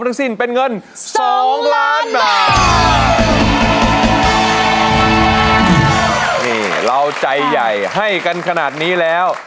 นี่เราใจใหญ่ให้กันขนาดนี้แล้ว